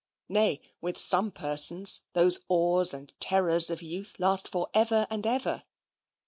Nay, with some persons those awes and terrors of youth last for ever and ever.